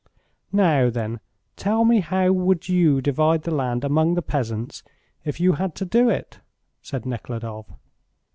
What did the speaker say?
"Now, then, tell me how would you divide the land among the peasants if you had to do it?" said Nekhludoff.